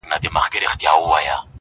ځه چي دواړه د پاچا کورته روان سو -